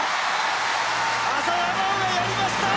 浅田真央がやりました！